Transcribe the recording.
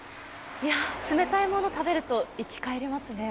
冷たいものを食べると生き返りますね。